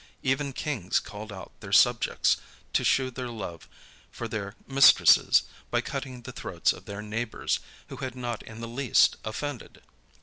Even kings called out their subjects, to shew their love for their mistresses, by cutting the throats of their neighbors, who had not in the least offended.